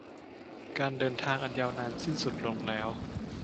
การเดินทางอันยาวนานสิ้นสุดลงแล้ว